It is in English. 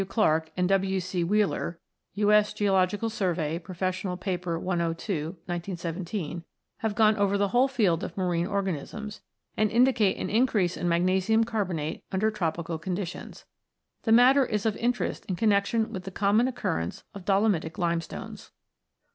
Clarke and W. C. Wheeler (U.S. Geol. Surv., Prof. Paper 102, 1917) have gone over the whole field of marine organisms, and indicate an increase in magnesium carbonate under tropical conditions. The matter is of interest in connexion with the common occurrence of dolomitic lime stones.